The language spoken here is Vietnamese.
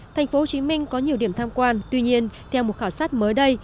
thành phố hồ chí minh có nhiều điểm tham quan tuy nhiên theo một khảo sát mới đây